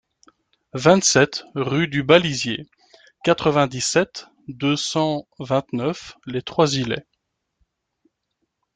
vingt-sept rue du Balisier, quatre-vingt-dix-sept, deux cent vingt-neuf, Les Trois-Îlets